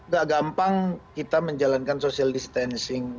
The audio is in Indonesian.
gak gampang kita menjalankan social distancing